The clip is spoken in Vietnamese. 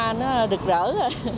thì cũng đỡ rồi